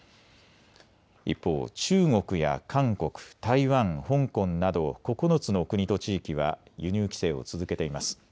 一方、中国や韓国、台湾、香港など９の国と地域は輸入規制を続けています。